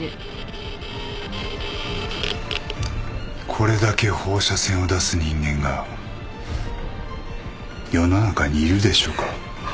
これだけ放射線を出す人間が世の中にいるでしょうか。